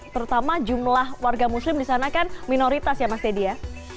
terutama jumlah warga muslim di sana kan minoritas ya mas deddy ya